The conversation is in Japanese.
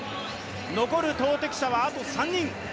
残る投てき者はあと３人。